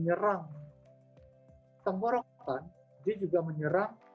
nah ada t novelty obat yang merupakan virus berantakan dan sering menyebergkan penyebab